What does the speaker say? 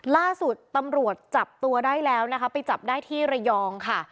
ล่าสุดตำรวจจับตัวได้แล้วนะคะไปจับได้ที่ระยองค่ะ